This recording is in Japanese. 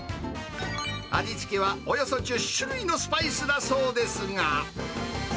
味付けはおよそ１０種類のスパイスだそうですが。